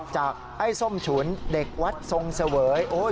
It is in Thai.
ไอ้ส้มฉุนเด็กวัดทรงเสวย